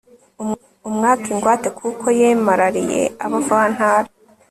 umwake ingwate kuko yemarariye abavantara